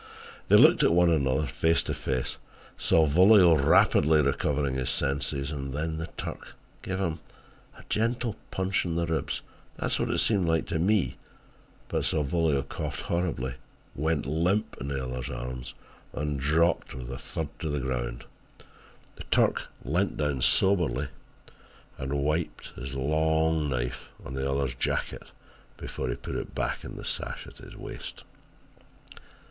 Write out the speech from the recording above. "They looked at one another, face to face, Salvolio rapidly recovering his senses... and then the Turk gave him a gentle punch in the ribs. That is what it seemed like to me, but Salvolio coughed horribly, went limp in the other's arms and dropped with a thud to the ground. The Turk leant down soberly and wiped his long knife on the other's jacket before he put it back in the sash at his waist.